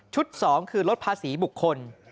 ๒คือลดภาษีบุคคล